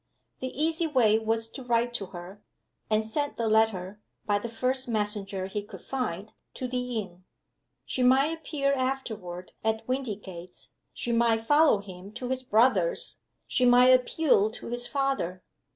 The easy way was to write to her, and send the letter, by the first messenger he could find, to the inn. She might appear afterward at Windygates; she might follow him to his brother's; she might appeal to his father.